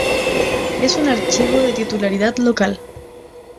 Es un archivo de titularidad local.